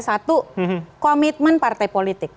satu komitmen partai politik